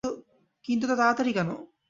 কিন্তু এত তাড়াতাড়ি কেন?